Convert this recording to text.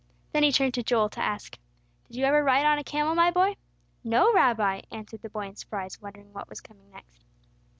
Then he turned to Joel to ask, "Did you ever ride on a camel, my boy?" "No, Rabbi," answered the boy, in surprise, wondering what was coming next.